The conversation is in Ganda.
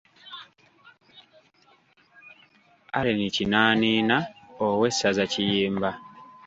Aleni Kinaaniina, Owessaza Kiyimba.